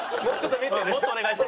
もっとお願いして。